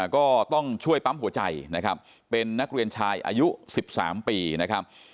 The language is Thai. ก็ต้องช่วยปั๊มหัวใจนะครับเป็นนักเรียนชายอายุ๑๓ปีนะครับ